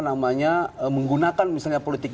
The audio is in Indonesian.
namanya menggunakan misalnya politik